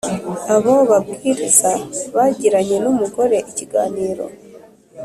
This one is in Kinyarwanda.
Abo babwiriza bagiranye n , mugore ikiganiro